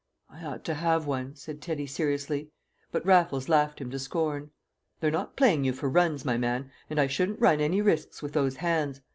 "I ought to have one," said Teddy seriously. But Raffles laughed him to scorn. "They're not playing you for runs, my man, and I shouldn't run any risks with those hands.